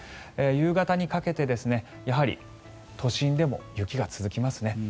夕方にかけてやはり都心でも雪が続きますね。